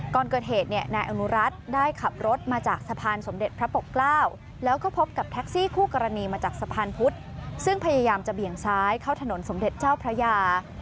ก่อนเกิดเหตุเนี่ยนายอนุรัติได้ขับรถมาจากสะพานสมเด็จพระปกเกล้าแล้วก็พบกับแท็กซี่คู่กรณีมาจากสะพานพุทธซึ่งพยายามจะเบี่ยงซ้ายเข้าถนนสมเด็จเจ้าพระยา